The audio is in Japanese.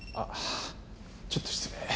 ちょっと失礼。